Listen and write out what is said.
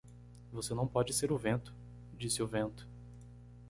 "Você não pode ser o vento?", disse o vento.